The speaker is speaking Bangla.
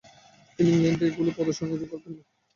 তিনি ইংল্যান্ডে এগুলির প্রদর্শনী আয়োজন করবেন না।